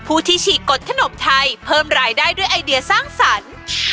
ที่ฉีกกดขนมไทยเพิ่มรายได้ด้วยไอเดียสร้างสรรค์